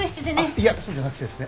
いやそうじゃなくてですね